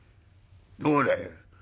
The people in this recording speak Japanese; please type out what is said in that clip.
どうだい？